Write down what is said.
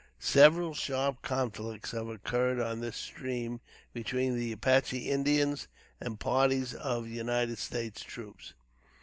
Several sharp conflicts have occurred on this stream between the Apache Indians and parties of United States troops.